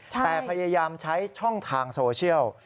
แต่พยายามใช้ช่องทางโซเชียล